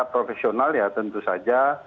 profesional ya tentu saja